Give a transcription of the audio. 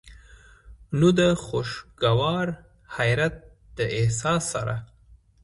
نو د خوشګوار حېرت د احساس سره